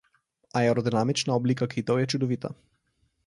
Aerodinamična oblika kitov je čudovita.